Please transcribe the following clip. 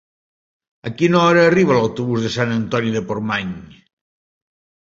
A quina hora arriba l'autobús de Sant Antoni de Portmany?